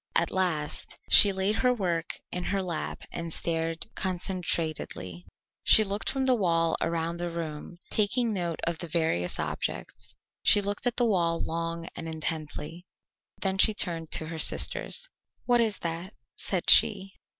At last she laid her work in her lap and stared concentratedly. She looked from the wall around the room, taking note of the various objects; she looked at the wall long and intently. Then she turned to her sisters. "What is that?" said she.